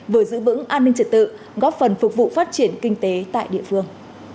vừa giữ vững an ninh trật tự góp phần phục vụ phát triển kinh tế tại địa phương